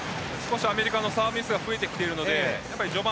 アメリカのサーブミス増えているので序盤